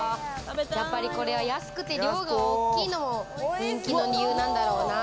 やっぱりこれは安くて量が多いのも人気の理由なんだろうな。